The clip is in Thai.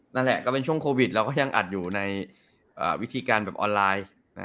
นั่นแหละก็เป็นช่วงโควิดเราก็ยังอัดอยู่ในวิธีการแบบออนไลน์